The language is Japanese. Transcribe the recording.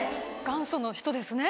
元祖の人ですね。